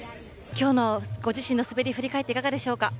今日のご自身の滑りを振り返っていかがでしょうか。